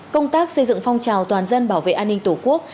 công tác xây dựng phong trào toàn dân bảo vệ an ninh tổ quốc